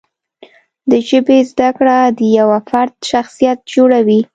د ژبې زده کړه د یوه فرد شخصیت جوړوي.